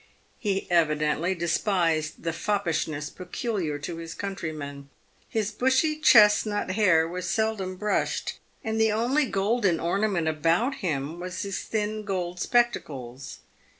He evidently despised the foppishness peculiar to his countrymen. His bushy chesnut hair was seldom brushed, and the only golden ornament about him was his thin gold spectacles.